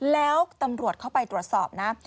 แล้วตำรวจเข้าไปตรวจสอบนะ